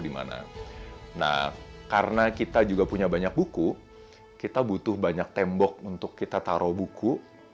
dimana nah karena kita juga punya banyak buku kita butuh banyak tembok untuk kita taruh buku